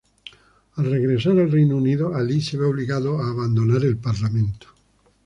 Al regresar al Reino Unido, Ali se ve obligado a abandonar el parlamento.